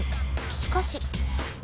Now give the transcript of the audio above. しかし。